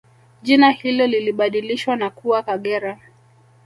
Jina hilo lilibadilishwa na kuwa Kagera